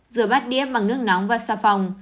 rửa bát đĩa bằng nước nóng và xà phòng